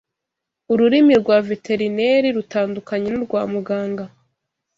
ururimi rwa veterineri rutandukanye n’ urwa muganga